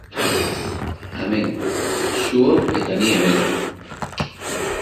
Amen, zu hor eta ni hemen.